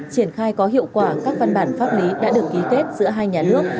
triển khai có hiệu quả các văn bản pháp lý đã được ký kết giữa hai nhà nước